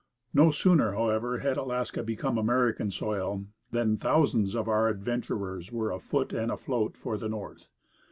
No sooner, however, had Alaska become American soil than thousands of our adventurers were afoot and afloat for the north.